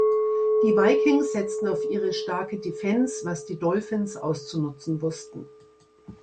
Die Vikings setzten auf ihre starke Defense, was die Dolphins auszunutzen wussten.